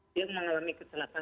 dia mengalami kecelakaan